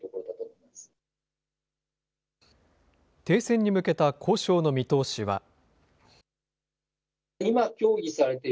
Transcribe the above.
停戦に向けた交渉の見通しは。